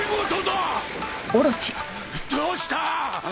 どうした！？